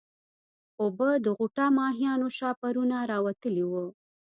اوبه د غوټه ماهيانو شاهپرونه راوتلي وو.